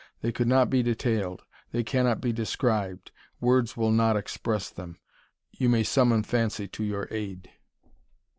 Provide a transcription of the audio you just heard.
They could not be detailed; they cannot be described; words will not express them. You may summon fancy to your aid.